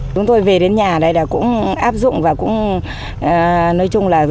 chúng tôi về đến nhà này là cũng áp dụng và cũng nói chung là